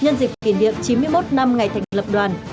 nhân dịp kỷ niệm chín mươi một năm ngày thành lập đoàn